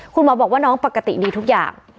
คุณหมอบอกว่าน้องปกติดีทุกอย่าง